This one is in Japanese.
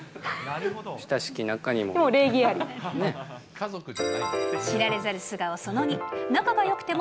親しき仲にも。